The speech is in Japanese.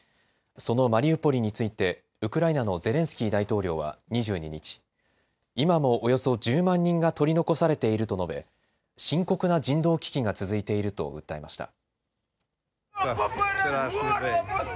そのマリウポリについてウクライナのゼレンスキー大統領は２２日、今もおよそ１０万人が取り残されていると述べ深刻な人道危機が続いていると訴えました。